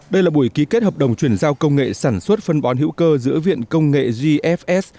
đây là buổi ký kết hợp đồng chuyển giao công nghệ sản xuất phân bón hữu cơ giữa viện công nghệ gfs